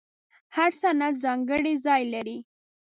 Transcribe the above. هر سند ځانګړی ځای لري.